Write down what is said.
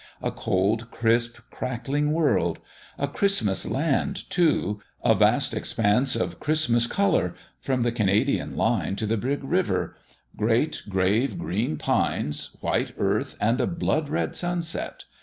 A cold, crisp crackling world ! A Christmas land, too : a vast expanse of Christmas colour, from the Canadian line to the Big River great, grave, green pines, white earth and a blood red sunset